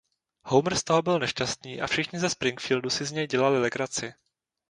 Homer z toho byl nešťastný a všichni ze Springfieldu si z něj dělali legraci.